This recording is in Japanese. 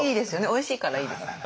おいしいからいいです。